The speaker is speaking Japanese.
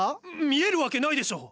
見えるわけないでしょう！